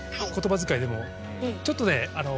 言葉遣いでもちょっとね